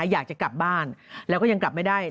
อยากจะกลับบ้านแล้วก็ยังกลับไม่ได้